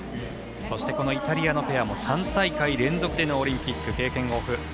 そして、イタリアのペアも３大会連続でのオリンピック経験豊富。